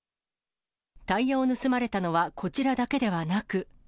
タイヤを盗まれたのはこちらだけではなく。